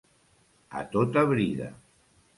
A tota brida.